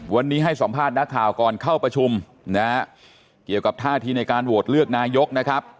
วันนี้ให้สัมภาษณ์นักข่าวก่อนเข้าประชุมนะฮะเกี่ยวกับท่าทีในการโหวตเลือกนายกนะครับ